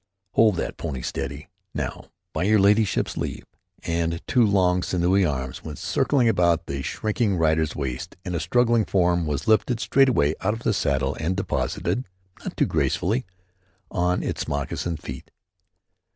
"Hold that pony steady. Now, by your ladyship's leave," and two long, sinewy arms went circling about the shrinking rider's waist, and a struggling form was lifted straightway out of saddle and deposited, not too gracefully, on its moccasined feet.